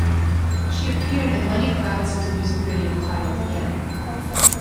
She appeared in Lenny Kravitz's music video entitled "Again".